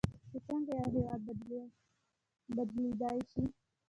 چې څنګه یو هیواد بدلیدلی شي.